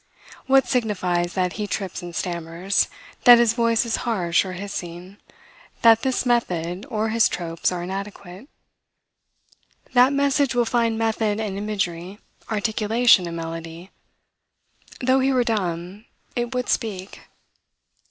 What signifies that he trips and stammers; that his voice is harsh or hissing; that this method or his tropes are inadequate? That message will find method and imagery, articulation and melody. Though he were dumb, it would speak.